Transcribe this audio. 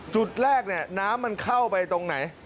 จุดแรกเนี่ยน้ำมันเข้าไปตรงไหน